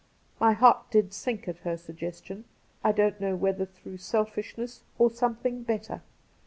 My heart did sink at her suggestion, I don't know whether through selfishness or something better.